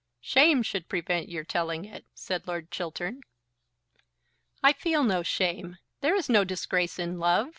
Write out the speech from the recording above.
"Shame should prevent your telling it," said Lord Chiltern. "I feel no shame. There is no disgrace in love.